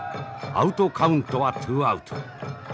アウトカウントはツーアウト。